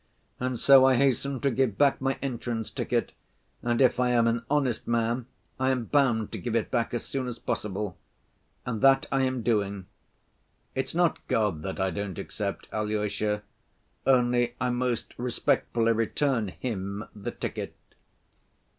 And so I hasten to give back my entrance ticket, and if I am an honest man I am bound to give it back as soon as possible. And that I am doing. It's not God that I don't accept, Alyosha, only I most respectfully return Him the ticket."